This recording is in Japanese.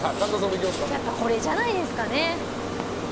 これじゃないですかね。